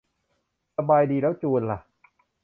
สบายดี แล้วจูนล่ะ